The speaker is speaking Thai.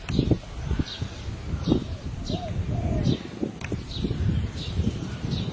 ที่นายแห่งจากอย่างรุะที่เมื่อกั้นพอเข้าไป